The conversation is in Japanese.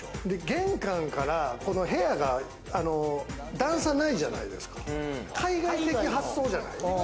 玄関から部屋が段差ないじゃないですか、対外的発想じゃない？